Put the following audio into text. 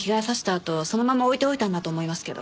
あとそのまま置いておいたんだと思いますけど。